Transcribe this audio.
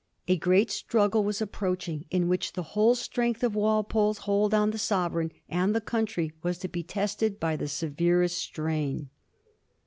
A great struggle was approaching, in which the whole strength of Walpole's hold on the Sovereign and the country was to be tested by the severest strain.